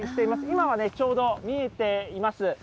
今はちょうど見えています。